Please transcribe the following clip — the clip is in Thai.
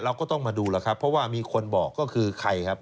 เราก็ต้องมาดูแล้วครับเพราะว่ามีคนบอกก็คือใครครับ